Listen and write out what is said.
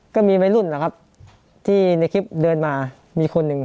ก็มีไว้รุ่นอะครับ